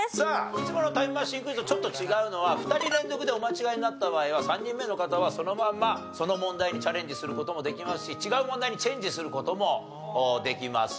いつものタイムマシンクイズとちょっと違うのは２人連続でお間違えになった場合は３人目の方はそのままその問題にチャレンジする事もできますし違う問題にチェンジする事もできます。